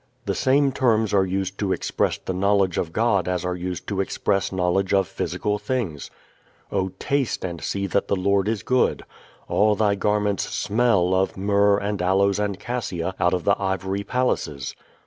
The same terms are used to express the knowledge of God as are used to express knowledge of physical things. "O taste and see that the Lord is good." "All thy garments smell of myrrh, and aloes, and cassia, out of the ivory palaces."